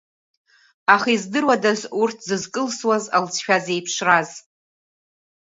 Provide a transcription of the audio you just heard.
Аха издыруадаз урҭ зызкылсуаз алҵшәа зеиԥшраз?!